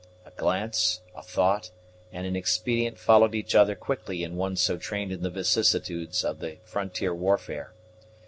A glance, a thought, and an expedient followed each other quickly in one so trained in the vicissitudes of the frontier warfare.